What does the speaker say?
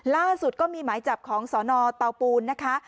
ล่าสุดก็มีหมายจับของสนเตาปูนนะคะ